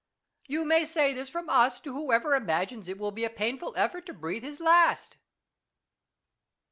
You may say this from us to whoever imagines it will be a painful effort to breathe his last.